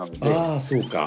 ああそうか。